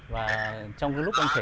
và trong cái lúc anh kể